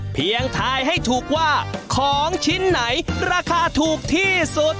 ทายให้ถูกว่าของชิ้นไหนราคาถูกที่สุด